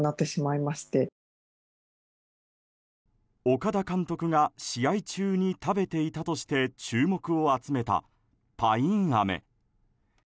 岡田監督が試合中に食べていたとして注目を集めた、パインアメ。